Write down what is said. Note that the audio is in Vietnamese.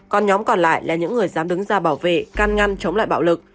còn nhóm còn lại là những người dám đứng ra bảo vệ can ngăn chống lại bạo lực